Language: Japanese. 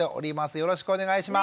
よろしくお願いします。